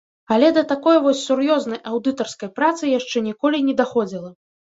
Але да такой вось сур'ёзнай аўдытарскай працы яшчэ ніколі не даходзіла.